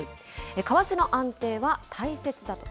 為替の安定は大切だと。